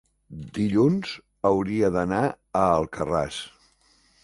dilluns hauria d'anar a Alcarràs.